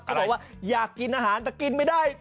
บอกว่าอยากกินอาหารแต่กินไม่ได้